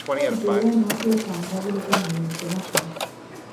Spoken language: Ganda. Mpozi era n'okwekangabiriza mu buli kye bakola.